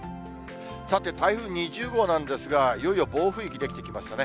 さて、台風２０号なんですが、いよいよ暴風域出来てきましたね。